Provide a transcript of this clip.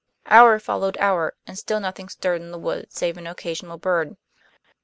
Hour followed hour, and still nothing stirred in the wood save an occasional bird.